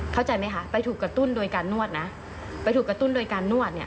เข้าใจไหมคะไปถูกกระตุ้นโดยการนวดนะไปถูกกระตุ้นโดยการนวดเนี่ย